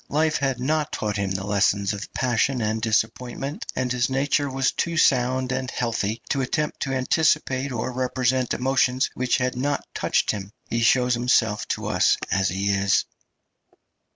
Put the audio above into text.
Life had not taught him the lessons of passion and disappointment, and his nature was too sound and healthy to attempt to anticipate or represent emotions which had not touched him; he shows himself to us as he is.